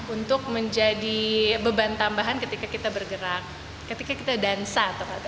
untuk menjadi beban tambahan ketika kita bergerak ketika kita dansa